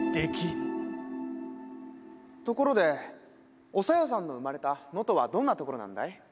ところでお小夜さんの生まれた能登はどんな所なんだい？